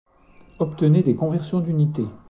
Obtenez des conversions d'unités.